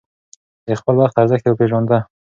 د خپل وخت ارزښت يې پېژانده.